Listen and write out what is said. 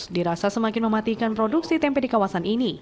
dirasa semakin mematikan produksi tempe di kawasan ini